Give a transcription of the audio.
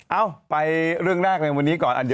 เอ้าไปเรื่องแรกเลยวันนี้ก่อน